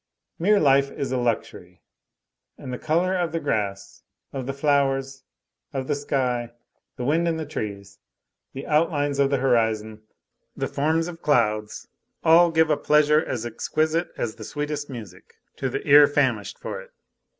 Mere life is a luxury, and the color of the grass, of the flowers, of the sky, the wind in the trees, the outlines of the horizon, the forms of clouds, all give a pleasure as exquisite as the sweetest music to the ear famishing for it.